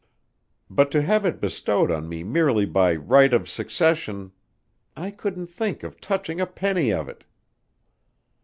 But to have it bestowed on me merely by right of succession I couldn't think of touching a penny of it!"